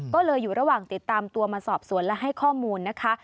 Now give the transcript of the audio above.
ก็เลยอยู่ระหว่างติดตามตัวมาสอบสวนและให้ข้อมูลนะคะ